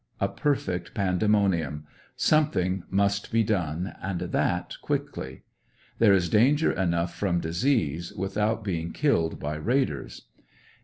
A perfect pandemonium. Something must be done, and that quickly. There is danger enough from disease, without being killed by raiders.